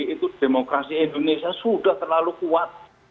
itu demokrasi indonesia sudah terlalu kuat